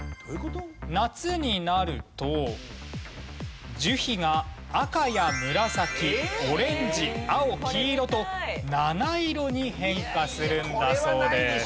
夏になると樹皮が赤や紫オレンジ青黄色と七色に変化するんだそうです。